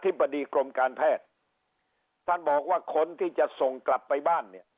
บดีกรมการแพทย์ท่านบอกว่าคนที่จะส่งกลับไปบ้านเนี่ย